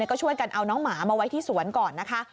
ก็ช่วยกันเอาน้องหมามาไว้ที่สวนก่อนนะคะ